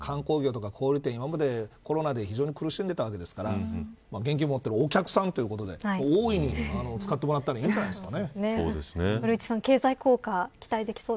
現金、あれだけ見せるということでこちらの日本の方で飲食店とか観光業とか小売店今までコロナで非常に苦しんでいたわけですから現金を持っているお客さんということで大いに使ってもらったらいいんじゃないですかね。